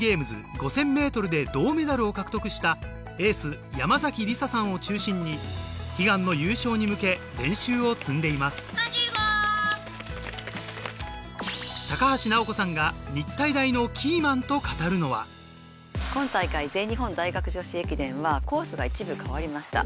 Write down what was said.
５０００ｍで銅メダルを獲得したエース山りささんを中心に悲願の優勝に向け練習を積んでいます高橋尚子さんが日体大のキーマンと語るのは今大会全日本大学女子駅伝はコースが一部変わりました。